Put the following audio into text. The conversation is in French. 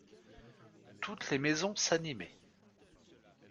Toutes les maisons s'animaient.